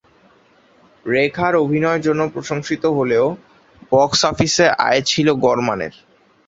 রেখার অভিনয়ের জন্য প্রশংসিত হলেও বক্স অফিসে আয় ছিল গড় মানের।